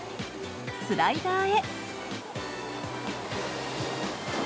スライダーへ。